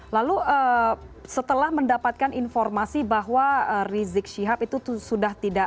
lalu setelah mendapatkan informasi bahwa rizik syihab itu sudah tidak